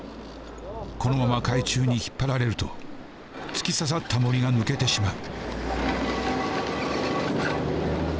このまま海中に引っ張られると突き刺さったもりが抜けてしまう。